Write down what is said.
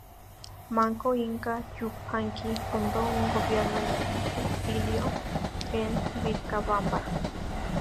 Manco Inca Yupanqui fundó un gobierno en el exilio, en Vilcabamba.